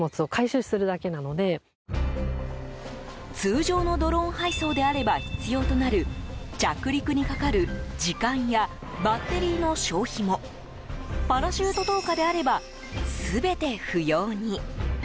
通常のドローン配送であれば必要となる着陸にかかる時間やバッテリーの消費もパラシュート投下であれば全て不要に。